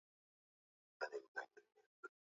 Je unavutiwa na kutembelea fasihi Mtindo Muziki